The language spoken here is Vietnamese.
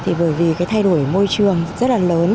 thì bởi vì cái thay đổi môi trường rất là lớn